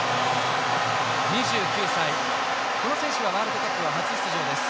２９歳、この選手はワールドカップは初出場です。